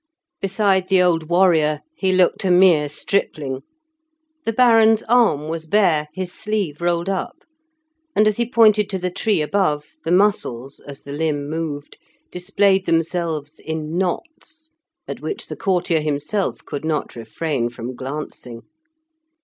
Beside the old warrior he looked a mere stripling. The Baron's arm was bare, his sleeve rolled up; and as he pointed to the tree above, the muscles, as the limb moved, displayed themselves in knots, at which the courtier himself could not refrain from glancing.